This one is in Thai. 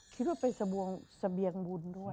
คิดว่าเป็นสะเบียงบุญด้วย